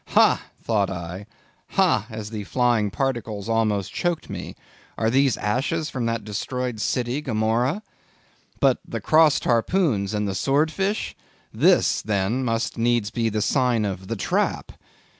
Ha! thought I, ha, as the flying particles almost choked me, are these ashes from that destroyed city, Gomorrah? But "The Crossed Harpoons," and "The Sword Fish?"—this, then must needs be the sign of "The Trap."